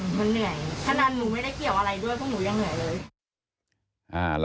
ฉะนั้นหนูไม่ได้เกี่ยวอะไรด้วยเพราะหนูยังเหนื่อยเลย